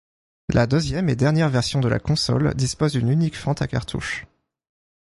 La deuxième et dernière version de la console dispose d'une unique fente à cartouche.